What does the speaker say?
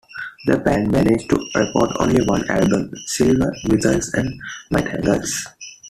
The band managed to record only one album, "Silver Missiles And Nightingales".